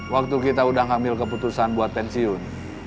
waktu kita udah ngambil keputusan buat pensiun